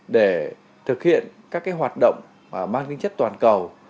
để thực hiện các hoạt động mang tính chất toàn cầu